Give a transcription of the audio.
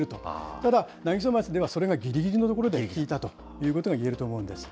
ただ、南木曽町では、それがぎりぎりのところで効いたということがいえると思うんです。